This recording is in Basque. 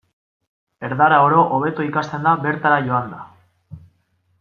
Erdara oro hobeto ikasten da bertara joanda.